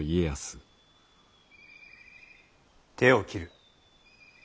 手を切る。